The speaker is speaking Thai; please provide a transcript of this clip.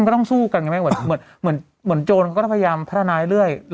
ก็ต้องสู้กันไงแม่เหมือนโจรก็ต้องพยายามพัฒนาเรื่อย